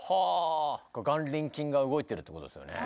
これ眼輪筋が動いてるってことですよね